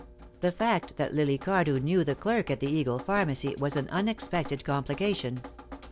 The fact that Lily Cardew knew the clerk at the Eagle Pharmacy was an unexpected complication.